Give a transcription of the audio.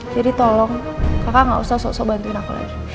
jadi tolong kakak gak usah sok sok bantuin aku lagi